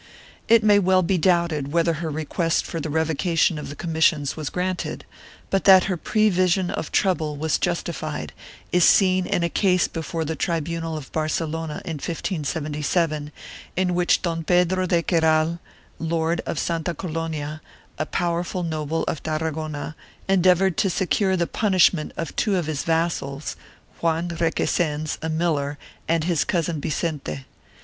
2 It may well be doubted whether her request for the revocation of the commissions was granted, but that her prevision of trouble was justified is seen in a case before the tribunal of Barcelona, in 1577, in which Don Pedro de Queral, lord of Santa Coloma, a powerful noble of Tarragona, endeavored to secure the punishment of two of his vassals, Juan Requesens, a miller, and his cousin Vicente.